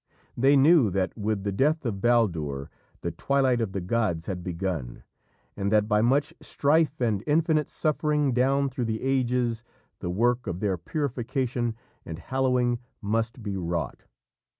They knew that with the death of Baldur the twilight of the gods had begun, and that by much strife and infinite suffering down through the ages the work of their purification and hallowing must be wrought.